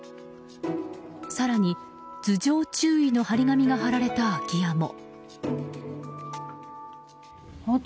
更に頭上注意の貼り紙が貼られた空き家も。